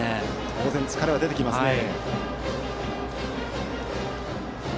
当然疲れは出てきますよね。